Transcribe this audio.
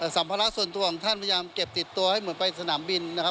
สัมภาระส่วนตัวของท่านพยายามเก็บติดตัวให้เหมือนไปสนามบินนะครับ